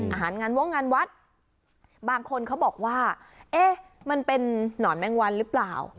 อาหารงานวงงานวัดบางคนเขาบอกว่าเอ๊ะมันเป็นหนอนแมงวันหรือเปล่า